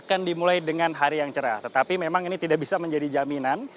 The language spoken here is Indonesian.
akan dimulai dengan hari yang cerah tetapi memang ini tidak bisa menjadi jaminan